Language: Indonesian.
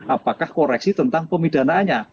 apakah koreksi tentang pemidanaannya